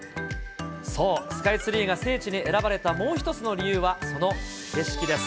そう、スカイツリーが聖地に選ばれたもう一つの理由は、その景色です。